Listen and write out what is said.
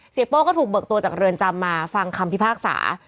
โป้ก็ถูกเบิกตัวจากเรือนจำมาฟังคำพิพากษา